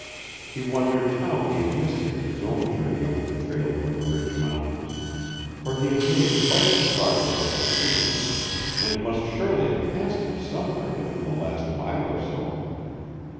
He wondered how he had missed him in his own journey over the trail from the ridge mountains, for he had made twice the progress of the stranger, and must surely have passed him somewhere within the last mile or so.